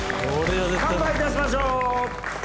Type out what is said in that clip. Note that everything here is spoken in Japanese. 乾杯いたしましょう。